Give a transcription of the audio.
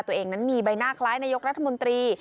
ตัวเองนั้นมีใบหน้าคล้ายนายกรัฐมนตรี